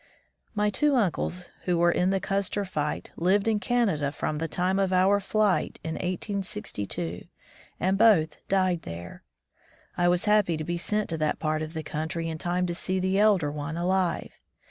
My two uncles who were in the Custer fight lived in Canada from the time of our flight in 1862, and both died there. I was happy to be sent to that part of the country in time to see the elder one alive.